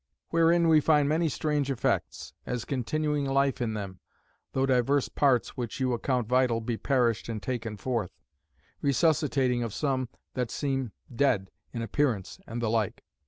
Wherein we find many strange effects; as continuing life in them, though divers parts, which you account vital, be perished and taken forth; resuscitating of some that seem dead in appearance; and the like.